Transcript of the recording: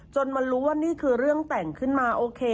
มารู้ว่านี่คือเรื่องแต่งขึ้นมาโอเค